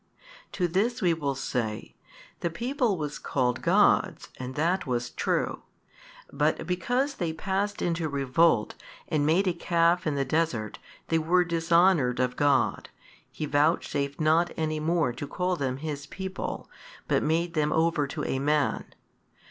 To this we will say, The people was called God's and that was true; but because they passed into revolt, and made a calf in the desert, they were dishonoured of God, He vouchsafed not any more to call them His people, but made them over to a man.